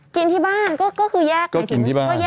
กินที่บ้านก็คือแยกกัน